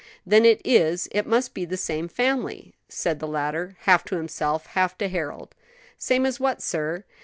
"Then it is, it must be the same family," said the latter, half to himself, half to Harold. "Same as what, sir?"